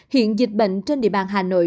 hiện dịch bệnh trên địa bàn hà nội